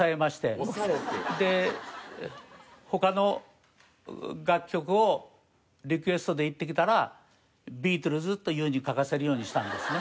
で他の楽曲をリクエストで言ってきたら「ビートルズ」というふうに書かせるようにしたんですね。